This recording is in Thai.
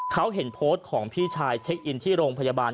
เขาเห็นโพสต์ของพี่ชายเช็คอินที่โรงพยาบาล